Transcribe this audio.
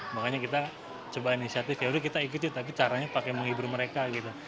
makanya kita coba inisiatif yaudah kita ikuti tapi caranya pakai menghibur mereka gitu